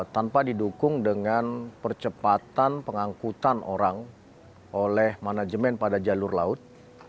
tanpa didukung dengan percepatan pengangkutan orang oleh manajemen pada jalur laut